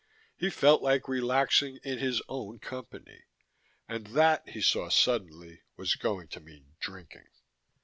He felt like relaxing in his own company and that, he saw suddenly, was going to mean drinking.